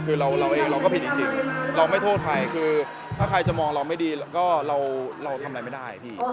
คือเราเองเราก็ผิดจริงเราไม่โทษใครคือถ้าใครจะมองเราไม่ดีก็เราทำอะไรไม่ได้พี่